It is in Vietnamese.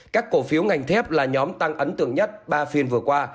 các cổ phiếu ngành thép là nhóm tăng ấn tượng nhất ba phiên vừa qua